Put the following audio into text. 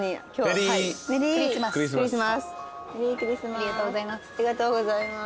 ありがとうございます。